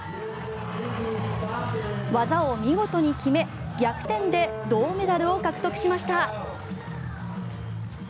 技を見事に決め逆転で銅メダルを獲得しました。